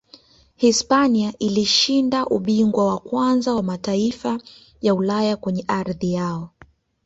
hispania ilishinda ubingwa wa kwanza wa mataifa ya ulaya kwenye ardhi yao